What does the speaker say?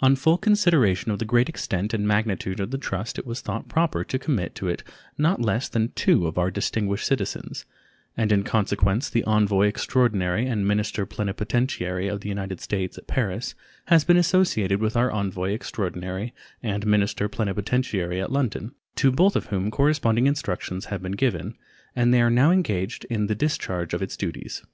On full consideration of the great extent and magnitude of the trust it was thought proper to commit it to not less than two of our distinguished citizens, and in consequence the envoy extraordinary and minister plenipotentiary of the United States at Paris has been associated with our envoy extraordinary and minister plenipotentiary at London, to both of whom corresponding instructions have been given, and they are now engaged in the discharge of its duties.